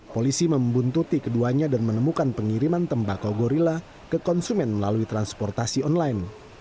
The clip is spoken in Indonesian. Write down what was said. polisi membuntuti keduanya dan menemukan pengiriman tembakau gorilla ke konsumen melalui transportasi online